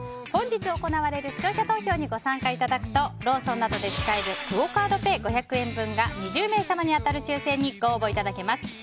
本日行われる視聴者投票にご参加いただくとローソンなどで使えるクオ・カードペイ５００円分が２０名様に当たる抽選にご応募いただけます。